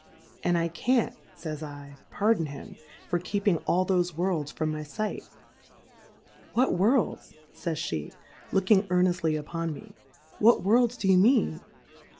And I can't, fays 7, pardon him, for keeping all thofe "Worlds from my fight : What Worlds,. fays pe^ looking earneftly upon uie,. whu V/orJJs do you mean